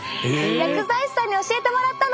薬剤師さんに教えてもらったの！